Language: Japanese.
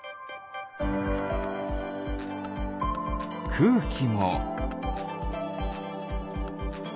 くうきも。